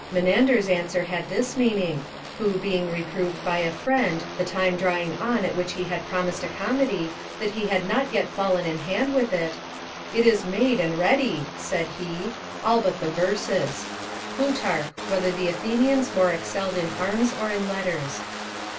Menander's answer had this meaning, who being reproved by a friend, the time drawing on at which he had promised a comedy, that he had not yet fallen in hand with it; "It is made, and ready," said he, "all but the verses." [Plutarch, Whether the Athenians more excelled in Arms or in Letters.